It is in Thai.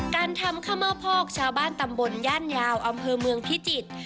การทำข้าวเม่าพอกชาวบ้านตำบลย่านยาวอำเภอเมืองพิจิตร